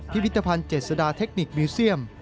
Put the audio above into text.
พิพิธภัณฑ์เจษฎาเทคนิคมิวเซียม